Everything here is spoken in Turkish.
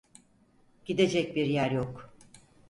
Gidecek bir yer yok.